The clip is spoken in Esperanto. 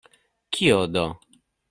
Kio do?